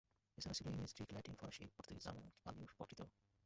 এ ছাড়া ছিল ইংরেজি, গ্রিক, ল্যাটিন, ফরাসি, পর্তুগিজ, জার্মান, এমনকি পালি ও প্রাকৃতও।